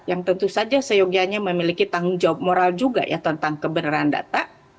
yang tentu saja seyogianya memiliki tanggung jawab moral juga ya tentang kebenaran data